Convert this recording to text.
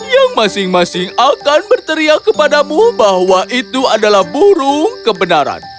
yang masing masing akan berteriak kepadamu bahwa itu adalah burung kebenaran